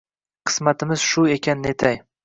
Qismatimiz shu ekan netay